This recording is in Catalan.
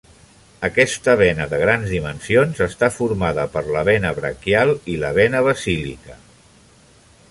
Aquesta vena de grans dimensions està formada per la vena braquial i la vena basílica.